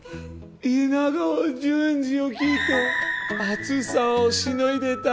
稲川淳二を聴いて暑さをしのいでた。